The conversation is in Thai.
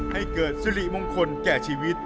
ให้เกิดสิริมงคลแก่ชีวิต